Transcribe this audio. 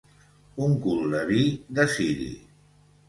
Un cul de vi, de ciri.